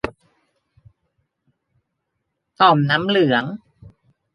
ต่อมน้ำเหลือง